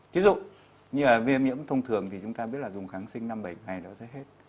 ví dụ như là viêm nhiễm thông thường thì chúng ta biết là dùng kháng sinh năm bảy ngày đó sẽ hết